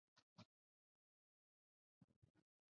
与国民军的战斗便告结束。